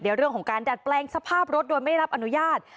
เรื่องของการดัดแปลงสภาพรถโดยไม่รับอนุญาต